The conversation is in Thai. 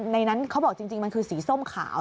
ในนั้นเขาบอกจริงมันคือสีส้มขาว